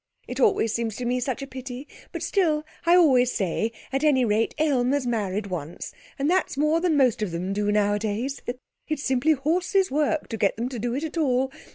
It always seems to me such a pity, but still, I always say, at any rate Aylmer's married once, and that's more than most of them do nowadays. It's simply horse's work to get them to do it at all.